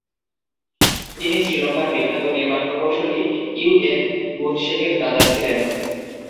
তিনি শ্রীলঙ্কার বিখ্যাত নির্মাণ প্রকৌশলী ইউ.এন. গুণসেকের দাদা ছিলেন।